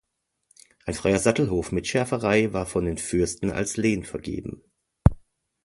Ein freier Sattelhof mit Schäferei war von den Fürsten als Lehen vergeben.